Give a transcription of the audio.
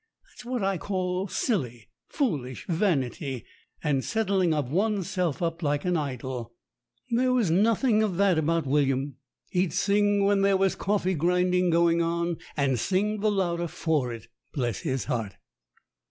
That's what I call silly, foolish vanity, and setting of one's self up like a idol. There was GENERAL OBSERVATIONS 91 nothing of that about William. He'd sing when there was coffee grinding going on, and sing the louder for it. Bless his heart!